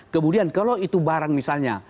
kemudian kalau itu barang misalnya